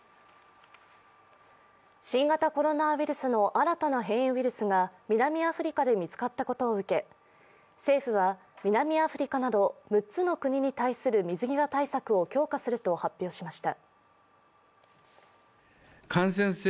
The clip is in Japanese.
新型コロナウイルスの新たな変異ウイルスが南アフリカで見つかったことを受け、政府は南アフリカなど６つの国に対する水際対策を強化すると発表しました。